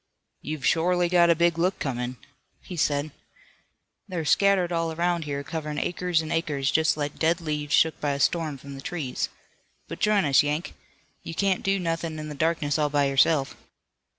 "You've shorely got a big look comin'," he said. "They're scattered all around here, coverin' acres an' acres, just like dead leaves shook by a storm from the trees. But j'in us, Yank. You can't do nothin' in the darkness all by yourself.